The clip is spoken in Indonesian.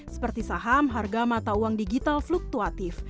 seperti saham harga mata uang digital fluktuatif